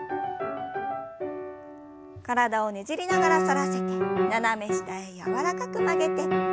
体をねじりながら反らせて斜め下へ柔らかく曲げて。